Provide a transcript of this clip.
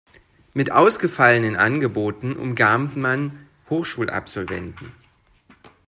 Mit ausgefallenen Angeboten umgarnt man Hochschulabsolventen.